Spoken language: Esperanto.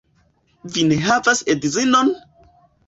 Vi ne havas edzinon?